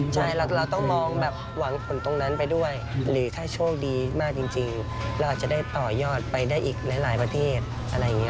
ใช่เราต้องมองแบบหวังผลตรงนั้นไปด้วยหรือถ้าโชคดีมากจริงเราอาจจะได้ต่อยอดไปได้อีกหลายประเทศอะไรอย่างนี้